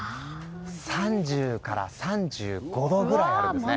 ３０から３５度くらいあるんですね。